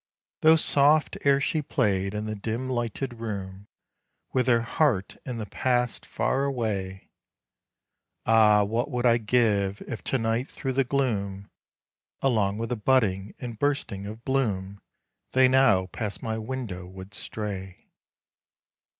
Those soft airs she played in the dim lighted room, With her heart in the past far away Ah, what would I give if to night, through the gloom, Along with the budding and bursting of bloom, They now past my window would stray.